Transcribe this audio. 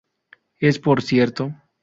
Es, por cierto.